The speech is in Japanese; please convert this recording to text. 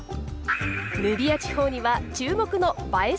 ヌビア地方には注目の映え